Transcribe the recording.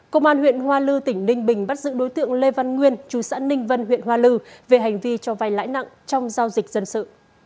công an huyện hoa lư tỉnh ninh bình bắt giữ đối tượng lê văn nguyên chú xã ninh vân huyện hoa lư về hành vi cho vay lãi nặng trong giao dịch dân sự